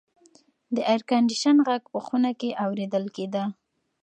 د اېرکنډیشن غږ په خونه کې اورېدل کېده.